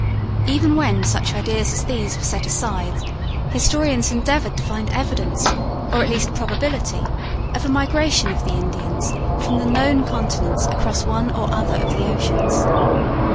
Even when such ideas as these were set aside, historians endeavoured to find evidence, or at least probability, of a migration of the Indians from the known continents across one or the other of the oceans.